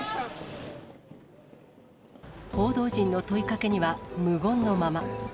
報道陣の問いかけには無言のまま。